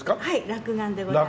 落雁でございます。